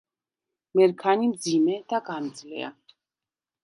მერქანი მძიმე და გამძლეა.